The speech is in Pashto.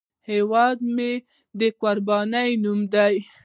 هیواد مې د قربانۍ نوم دی